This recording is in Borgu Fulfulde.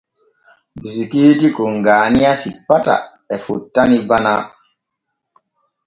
Bisikiiti kon Gaaniya simpata e fottani Bana.